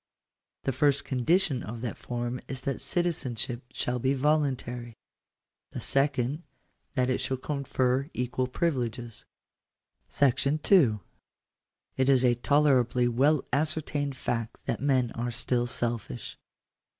The first condition of that form is that citizenship shall be voluntary; the second — that it shall confer equal privileges. M It is a tolerably well ascertained fact that men are still selfish.